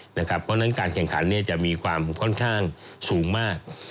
เพราะฉะนั้นการแข่งขันจะมีความค่อนข้างสูงมาก